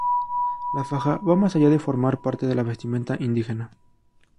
La faja va más allá de formar parte de la vestimenta indígena.